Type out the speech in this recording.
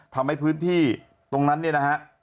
ทำให้พื้นที่ตรงนั้นเนี่ยนะฮะ